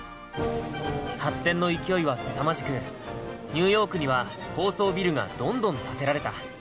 発展の勢いはすさまじくニューヨークには高層ビルがどんどん建てられた。